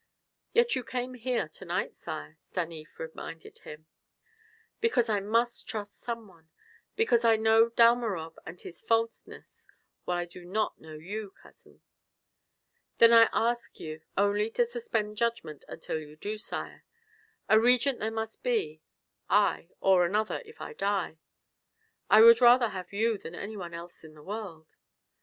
"Yet you came here to night, sire," Stanief reminded him. "Because I must trust some one. Because I know Dalmorov and his falseness, while I do not know you, cousin." "Then I ask you only to suspend judgment until you do, sire. A regent there must be, I, or another if I die " "I would rather have you than any one else in the world."